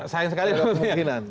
sayang sekali dua kemungkinan